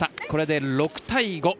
これで６対５。